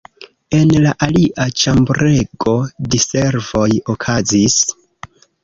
En la alia ĉambrego diservoj okazis.